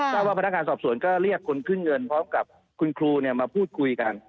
ว่าพนักงานสอบสวนก็เรียกคนขึ้นเงินพร้อมกับคุณครูมาพูดคุยกัน